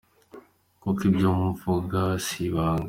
Kuko ibyo mvuga si ibanga.